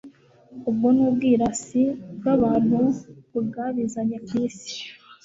ubwo ni ubwirasi bw'abantu bwabizanye ku isi